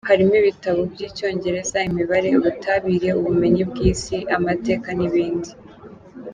Harimo ibitabo by’icyongereza, imibare, ubutabire, ubumenyi bw’isi, amateka n’ibindi.